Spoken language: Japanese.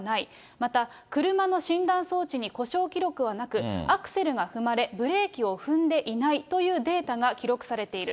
また、車の診断装置に故障記録はなく、アクセルが踏まれ、ブレーキを踏んでいないというデータが記録されている。